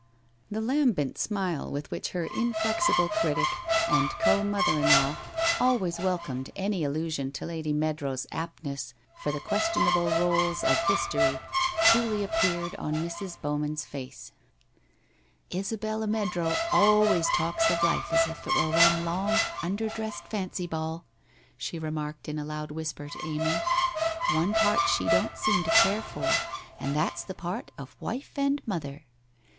. The lambent smile with which her inflexible critic and co mother in law always welcomed any allusion to Lady Meadrow's aptness for the questionable roles of history duly appeared on Mrs. Bowman's face. 1 Isabella Meadrow always talks of life as if it were one long, under dressed, fancy ball/ she remarked in a loud whisper to Amy. ' One part she don't seem to care for — and that's the part of wife and mother!